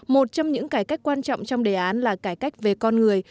một trong những cải cách quan trọng trong đề án là cải cách về con người